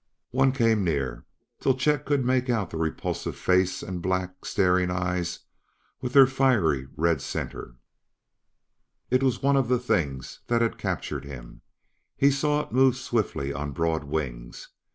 One came near till Chet could make out the repulsive face and black, staring eyes with their fiery red center. It was one of the things that had captured him; he saw it move swiftly on broad wings.